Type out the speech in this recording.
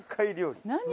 何？